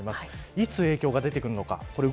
いつ影響が出てくるのか。